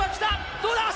どうだ。